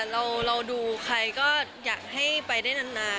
เราดูใครก็อยากให้ไปได้นาน